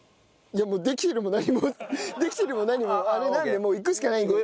もうできてるも何もできてるも何もあれなんでもういくしかないんで。